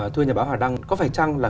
thưa nhà báo hòa đăng có phải chăng là